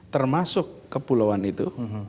termasuk kepulauan itu